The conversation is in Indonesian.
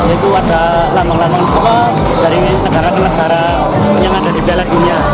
itu ada lambang lambang dari negara ke negara yang ada di piala dunia